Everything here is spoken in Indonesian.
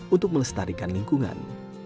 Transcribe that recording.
untuk melestarikan lingkungan